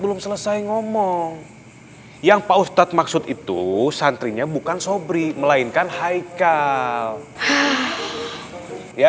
belum selesai ngomong yang pak ustadz maksud itu santrinya bukan sobri melainkan haikal ya